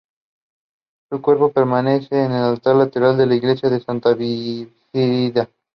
Su cuerpo permanece en un altar lateral de la Iglesia de Santa Brígida.